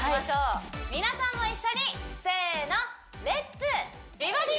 はい皆さんも一緒にせーの！